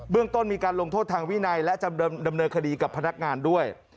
ต้นมีการลงโทษทางวินัยและจะดำเนินคดีกับพนักงานด้วย